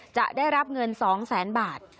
จะได้รับเงิน๒แสนบาท